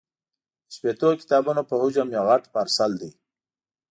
د شپېتو کتابونو په حجم یو غټ پارسل دی.